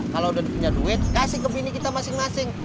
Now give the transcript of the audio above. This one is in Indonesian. kalau udah punya duit kasih ke sini kita masing masing